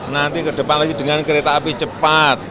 nanti ke depan lagi dengan kereta api cepat